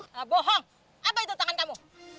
nah bohong apa itu tangan kamu